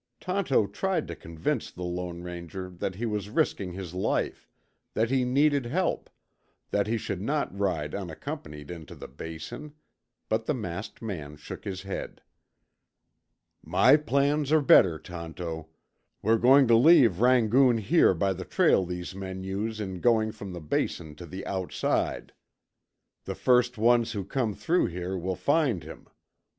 Tonto tried to convince the Lone Ranger that he was risking his life, that he needed help, that he should not ride unaccompanied into the Basin; but the masked man shook his head. "My plans are better, Tonto. We're going to leave Rangoon here by the trail these men use in going from the Basin to the outside. The first ones who come through here will find him.